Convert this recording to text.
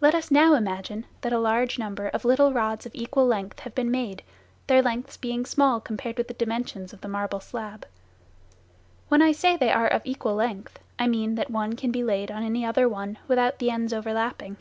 Let us now imagine that a large number of little rods of equal length have been made, their lengths being small compared with the dimensions of the marble slab. When I say they are of equal length, I mean that one can be laid on any other without the ends overlapping.